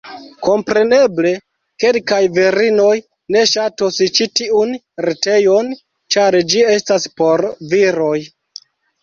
Kompreneble, kelkaj virinoj ne ŝatos ĉi tiun retejon, ĉar ĝi estas por viroj.